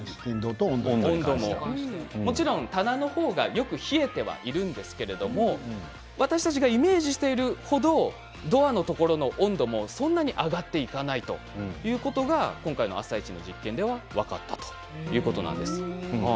もちろん棚の方がよく冷えてはいるんですけれど私たちがイメージしている程ドアのところの温度もそんなに上がっていかないということが今回の「あさイチ」の実験で分かったということです。